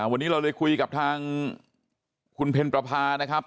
วันนี้เราเลยคุยกับทางคุณเพ็ญประพานะครับ